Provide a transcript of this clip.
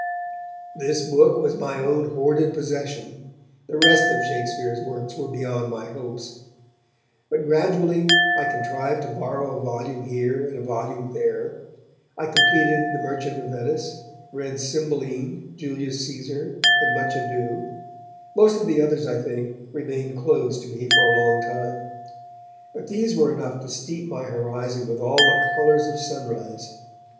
This book was my own hoarded possession; the rest of Shakespeare's works were beyond my hopes. But gradually I contrived to borrow a volume here and a volume there. I completed The Merchant of Venice, read Cymbeline, Julius Caesar and Much Ado; most of the others, I think, remained closed to me for a long time. But these were enough to steep my horizon with all the colours of sunrise.